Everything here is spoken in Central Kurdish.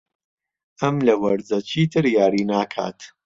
ئەو لەم وەرزە چیتر یاری ناکات.